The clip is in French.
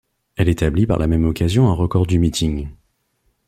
Elle établit par la même occasion un record du meeting.